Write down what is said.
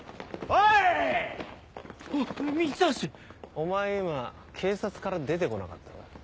お前今警察から出て来なかったか？